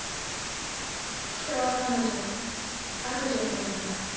人は彼女を悪女と呼んだ。